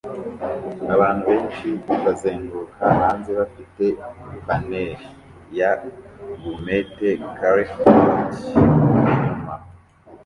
Abantu benshi bazenguruka hanze bafite banneri ya "Gourmet Curry Hut" inyuma